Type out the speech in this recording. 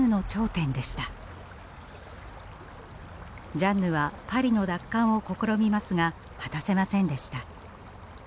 ジャンヌはパリの奪還を試みますが果たせませんでした。